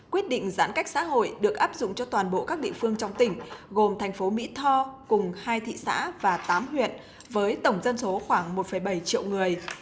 quyết định giãn cách xã hội được áp dụng cho toàn bộ các địa phương trong tỉnh gồm thành phố mỹ tho cùng hai thị xã và tám huyện với tổng dân số khoảng một bảy triệu người